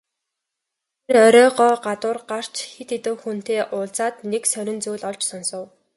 Тэр оройгоо гадуур гарч хэд хэдэн хүнтэй уулзаад нэг сонин зүйл олж сонсов.